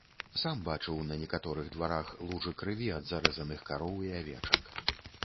Сам бачыў на некаторых дварах лужы крыві ад зарэзаных кароў і авечак.